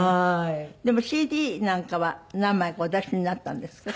でもＣＤなんかは何枚かお出しになったんですって？